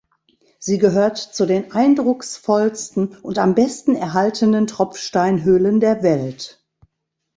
Sie gehört zu den eindrucksvollsten und am besten erhaltenen Tropfsteinhöhlen der Welt.